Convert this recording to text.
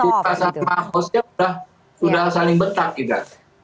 belum diputar sama hostnya sudah saling betak gitu